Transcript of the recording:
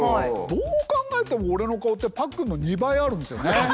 どう考えても俺の顔ってパックンの２倍あるんですよね。